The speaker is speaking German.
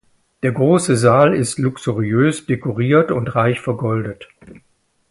Der große Saal ist luxuriös dekoriert und reich vergoldet.